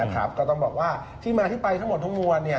ก็ต้องบอกว่าที่มาที่ไปทั้งหมดทั้งมวล